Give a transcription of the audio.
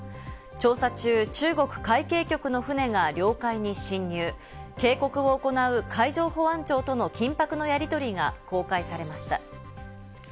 調査中、中国海警局の船が領海に侵入、警告を行う海上保安庁との緊迫のやりとりが公開されました。